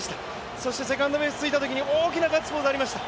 そしてセカンドベースついたときに大きなガッツポーズがありました。